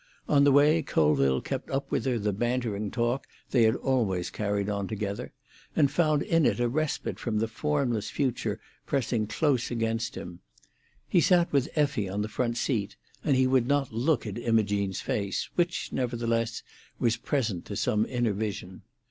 On the way Colville kept up with her the bantering talk that they always carried on together, and found in it a respite from the formless future pressing close upon him. He sat with Effie on the front seat, and he would not look at Imogene's face, which, nevertheless, was present to some inner vision.